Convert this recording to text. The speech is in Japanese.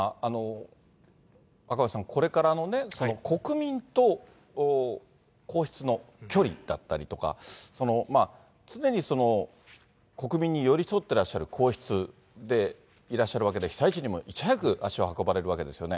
赤星さん、これからの国民と皇室の距離だったりとか、常に国民に寄り添ってらっしゃる皇室でいらっしゃるわけで、被災地にもいち早く足を運ばれるわけですよね。